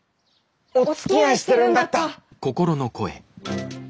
おつきあいしてるんだった！